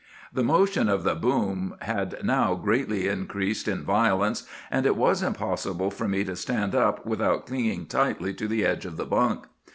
"The motion of the boom had now greatly increased in violence, and it was impossible for me to stand up without clinging tightly to the edge of the bunk.